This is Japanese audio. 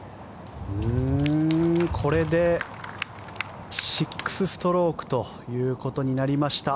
これで６ストロークということになりました。